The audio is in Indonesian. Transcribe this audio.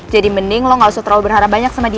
jadi mending lo gak usah terlalu berharap banyak sama dia